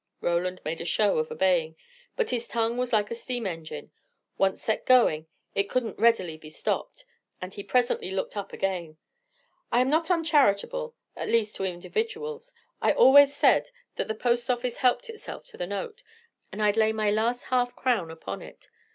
Roland made a show of obeying. But his tongue was like a steam engine: once set going, it couldn't readily be stopped, and he presently looked up again. "I am not uncharitable: at least, to individuals. I always said the post office helped itself to the note, and I'd lay my last half crown upon it.